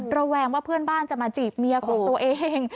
ระแวงว่าเพื่อนบ้านจะมาจีบเมียของตัวเอง